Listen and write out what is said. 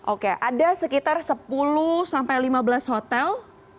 oke ada sekitar sepuluh sampai lima belas hotel